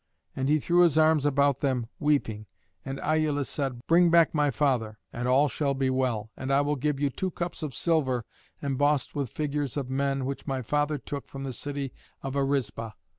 And he threw his arms about them, weeping. And Iülus said, "Bring back my father, and all shall be well. And I will give you two cups of silver embossed with figures of men, which my father took from the city of Arisba.